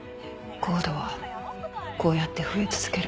ＣＯＤＥはこうやって増え続ける。